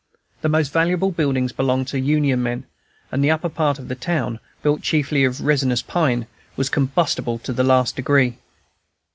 The most valuable buildings belonged to Union men, and the upper part of the town, built chiefly of resinous pine, was combustible to the last degree.